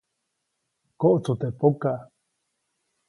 Koʼtsu teʼ pokaʼ.